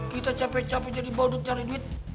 kita capek capek jadi balut cari duit